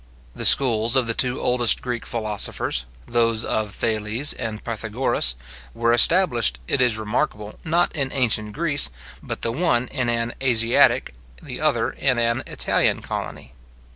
The schools of the two oldest Greek philosophers, those of Thales and Pythagoras, were established, it is remarkable, not in ancient Greece, but the one in an Asiatic, the other in an Italian colony.